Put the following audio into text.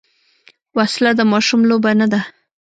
وسله د ماشوم لوبه نه ده